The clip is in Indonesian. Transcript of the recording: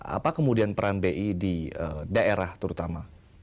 apa kemudian peran bi di daerah terutama